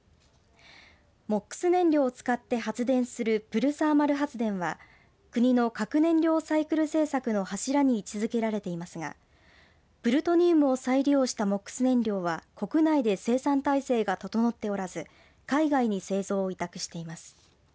ＭＯＸ燃料を使って発電するプルサーマル発電は国の核燃料サイクル政策の柱に位置づけられていますがプルトニウムを再利用したＭＯＸ燃料は、国内で生産体制が整っておらず、海外に製造を委託しています。